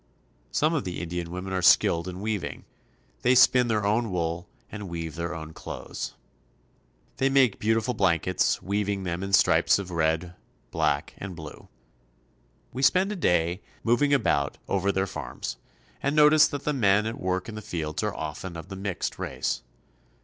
Some of the Indian women are skilled in weaving. They spin their own wool and weave their own clothes. 'The mother carries it on her back." 144 CHILE. They make beautiful blankets, weaving them in stripes of red, black, and blue. We spend a day moving about over their farms, and notice that the men at work in the fields are often of the mixed race.